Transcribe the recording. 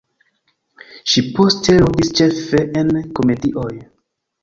Ŝi poste ludis ĉefe en komedioj.